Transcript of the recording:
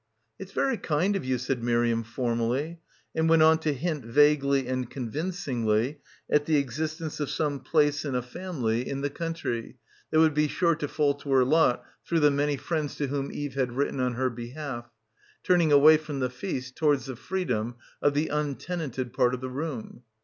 "It's very kind of you," said Miriam formally, and went on to hint vaguely and convincingly at the existence of some place in a family in the — 266 — BACKWATER country that would be sure to fall to her lot through the many friends to whom Eve had writ ten on her behalf, turning away from the feast to wards the freedom of the untenanted part of the room.